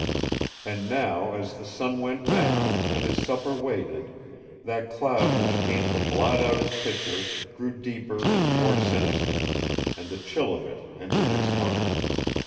And now, as the sun went down, and his supper waited that cloud which came to blot out his picture grew deeper and more sinister, and the chill of it entered his heart.